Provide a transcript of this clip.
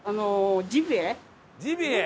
ジビエ？